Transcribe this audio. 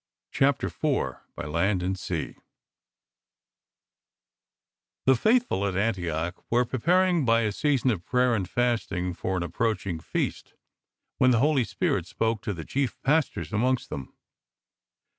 r CHAPTER IV BY LAND AND SEA 1 HE faithful at Antioch wei*e preparing by a season of pra 5 ^er and fasting for an approach ing feast, when the Holy Spirit spoke to the chief Pastors amongst them.